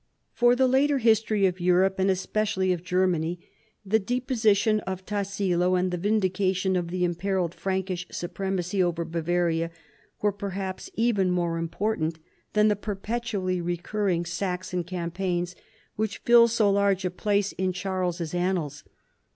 For the later history of Europe and especially of Germany, the deposition of Tassilo and the vindi cation of the imperilled Frankish supremacy over Bavaria were perhaps even more important than the perpetually recurring Saxon campaigns which fill so large a space in Charles' annals.